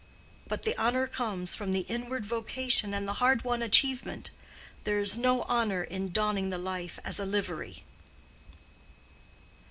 But the honor comes from the inward vocation and the hard won achievement: there is no honor in donning the life as a livery."